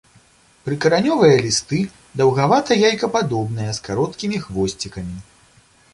Прыкаранёвыя лісты даўгавата-яйкападобныя, з кароткімі хвосцікамі.